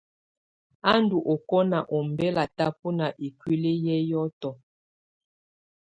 A ndù ɔkɔna ɔmbɛla tabɔna ikuili ƴɛ hiɔtɔ.